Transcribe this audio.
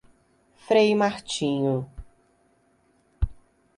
Frei Martinho